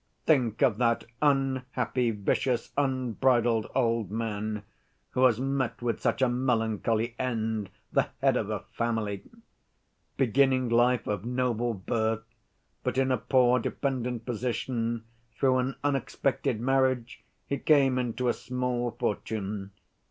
Think of that unhappy, vicious, unbridled old man, who has met with such a melancholy end, the head of a family! Beginning life of noble birth, but in a poor dependent position, through an unexpected marriage he came into a small fortune.